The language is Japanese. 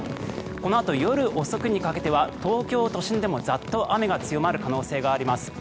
このあと、夜遅くにかけては東京都心でもザッと雨が強まる恐れがあります。